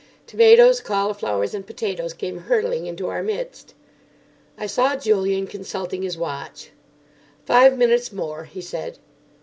Tomatoes, cauliflowers, and potatoes came hurtling into our midst. I saw Julian consulting his watch. "Five minutes more," he said.